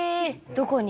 どこに？